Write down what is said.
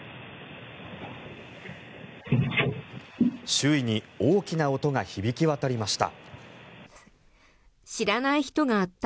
周囲に大きな音が響き渡りました。